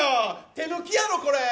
手抜きやろ、これ！